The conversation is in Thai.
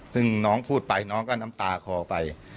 ซึ่งน้องพูดไปน้องก็น้ำตาคอไป